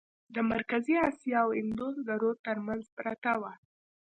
د مرکزي آسیا او اندوس د رود ترمنځ پرته وه.